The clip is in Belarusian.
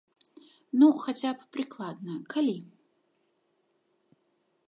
Ну, хаця б прыкладна, калі?